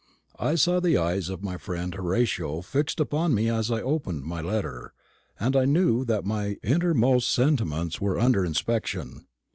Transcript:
I saw the eyes of my friend Horatio fixed upon me as I opened my letter, and knew that my innermost sentiments were under inspection.